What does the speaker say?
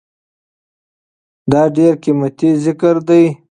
دا ډير قيمتي ذکر دی